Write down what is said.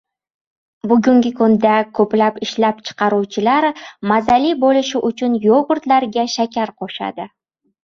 Bugungi kunda ko‘plab ishlab chiqaruvchilar mazali bo‘lishi uchun yogurtlarga shakar qo‘shadi